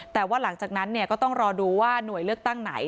แต่ว่าหลังจากนั้นก็ต้องรอดูว่าหน่วยเลือกตั้งไหน